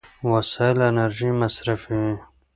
وسایل انرژي مصرفوي.